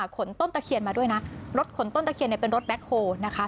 ต้นตะเคียนมาด้วยนะรถขนต้นตะเคียนเป็นรถแบ็คโฮลนะคะ